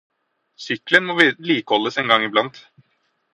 Sykkelen må vedlikeholdes en gang i blant